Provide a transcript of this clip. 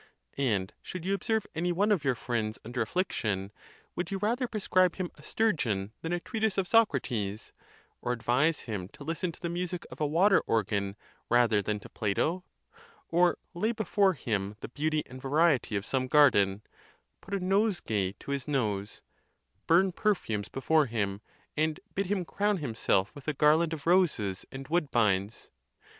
And should you observe any one of your friends under affliction, would you rather prescribe him a stur geon than a treatise of Socrates? or advise him to listen to the music of a water organ rather than to Plato? or lay before him the beauty and variety of some garden, put a nosegay to his nose, burn perfumes before him, and bid him crown himself with a garland of roses and wood bines?